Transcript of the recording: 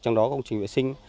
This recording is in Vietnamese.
trong đó công trình vệ sinh